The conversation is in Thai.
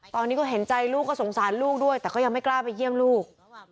ตอนนี้ก็เห็นใจลูกก็สงสารลูกด้วยแต่ก็ยังไม่กล้าไปเยี่ยมลูก